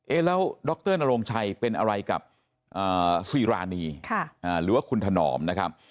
เอ๊ะแล้วด็อกเตอร์นโรงชัยเป็นอะไรกับอ่าซีรานีค่ะอ่าหรือว่าคุณถนอมนะครับ